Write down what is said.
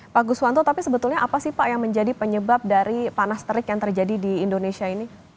pak guswanto tapi sebetulnya apa sih pak yang menjadi penyebab dari panas terik yang terjadi di indonesia ini